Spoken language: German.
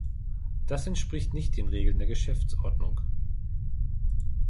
Das entspricht nicht den Regeln der Geschäftsordnung.